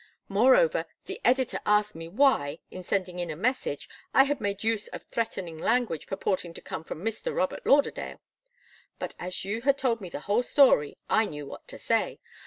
Moreover, the editor asked me why, in sending in a message, I had made use of threatening language purporting to come from Mr. Robert Lauderdale. But as you had told me the whole story, I knew what to say.